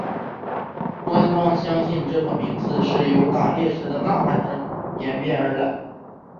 官方相信这个名字是由打猎时的呐喊声演变而来。